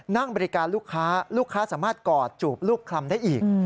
นั่งบริการลูกค้าลูกค้าสามารถกอดจูบรูปคลำได้อีก